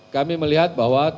kami melihat bahwa